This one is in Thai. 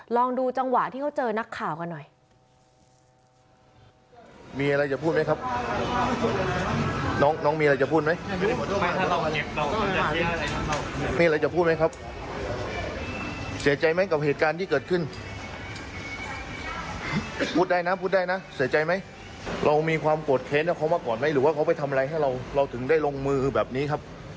ลองดูจังหวะที่เขาเจอนักข่าวกันหน่อย